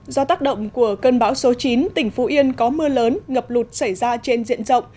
do tác động của cơn bão số chín tỉnh phú yên có mưa lớn ngập lụt xảy ra trên diện rộng